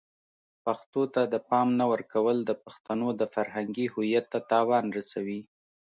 پښتو ته د پام نه ورکول د پښتنو د فرهنګی هویت ته تاوان رسوي.